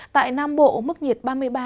tại nam bộ mức nhiệt ba mươi ba